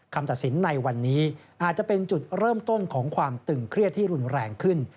ตัดสินในวันนี้อาจจะเป็นจุดเริ่มต้นของความตึงเครียดที่รุนแรงขึ้น